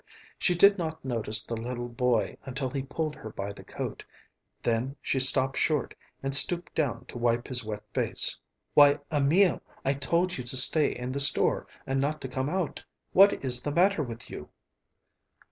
She did not notice the little boy until he pulled her by the coat. Then she stopped short and stooped down to wipe his wet face. "Why, Emil! I told you to stay in the store and not to come out. What is the matter with you?"